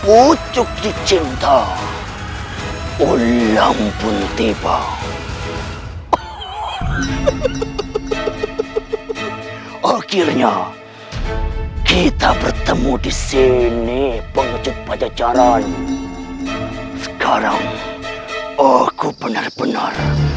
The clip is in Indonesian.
ucuk cinta ulang pun tiba akhirnya kita bertemu di sini pengecut pajak jalan sekarang aku benar benar